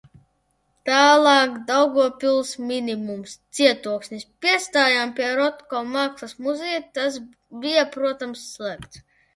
Tālāk Daugavpils minimums - cietoksnis. Piestājām pie Rotko mākslas muzeja, tas bija, protams, slēgts.